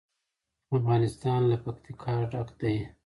افغانستان له پکتیکا ډک دی.